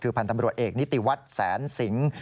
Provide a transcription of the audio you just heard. คือพันธ์ตำรวจเอกนิติวัฒน์แสนสิง